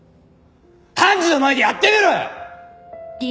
判事の前でやってみろよ！